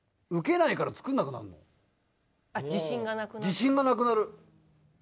自信がなくなって？